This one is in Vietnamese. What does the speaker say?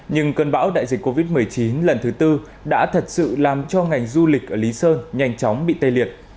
nhưng cơn bão đại dịch covid một mươi chín lần thứ tư đã thật sự làm cho ngành du lịch ở lý sơn nhanh chóng bị tê liệt